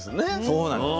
そうなんです。